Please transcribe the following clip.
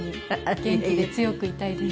元気で強くいたいです。